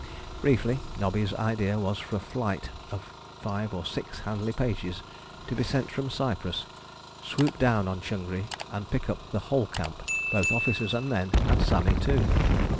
Briefly, Nobby's idea was for a flight of five or six Handley Pages to be sent from Cyprus, swoop down on Changri, and pick up the whole camp, both officers and men and Sami too.